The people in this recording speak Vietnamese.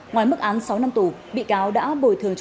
ngoài mức án sáu năm tù bị cáo đã bồi thường cho